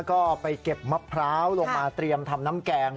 ก็ไปเก็บมะพร้าวลงมาเตรียมทำน้ำแกง